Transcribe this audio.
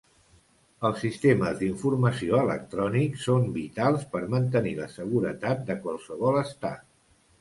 Els sistemes d'informació electrònics són vitals per mantenir la seguretat de qualsevol estat.